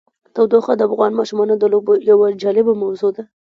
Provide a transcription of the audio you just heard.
تودوخه د افغان ماشومانو د لوبو یوه جالبه موضوع ده.